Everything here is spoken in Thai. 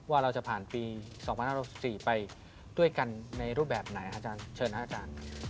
ว่าเราจะผ่านปี๒๕๖๔ไปด้วยกันในรูปแบบไหนอาจารย์เชิญครับอาจารย์